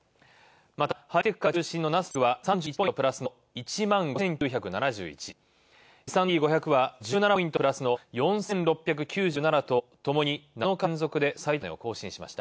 また、ハイテク株が中心のナスダックは３１ポイントプラスの１万５９７１、Ｓ＆Ｐ５００は、１７ポイントプラスの４６９７とともに７日連続で最高値を更新しました。